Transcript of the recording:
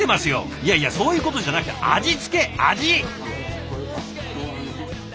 いやいやそういうことじゃなくて味付け味！